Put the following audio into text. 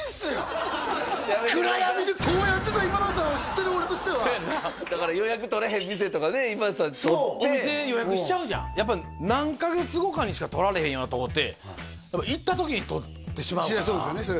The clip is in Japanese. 暗闇でこうやってた今田さんを知ってる俺としてはだから予約取れへん店とかで今田さん取ってお店予約しちゃうじゃんやっぱ何カ月後かにしか取られへんようなとこって行った時に取ってしまうからそりゃそうですよね